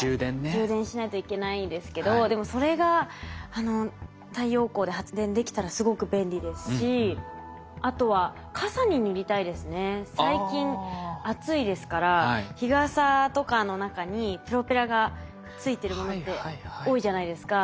充電しないといけないですけどでもそれが太陽光で発電できたらすごく便利ですしあとは最近暑いですから日傘とかの中にプロペラがついてるものって多いじゃないですか。